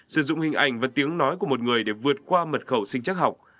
sử dụng hình ảnh và tiếng nói của một người để vượt qua mật khẩu sinh chắc học